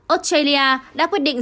australia đã quyết định